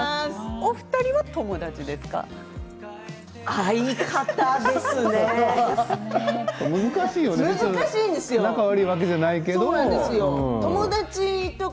お二人は友達ですか？